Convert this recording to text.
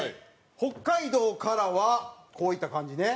北海道からはこういった感じね。